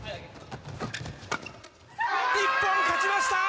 日本勝ちました！